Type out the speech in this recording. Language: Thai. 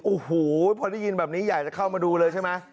โอ้โหพอได้ยินแบบนี้อยากจะเข้ามาดูเลยใช่ไหม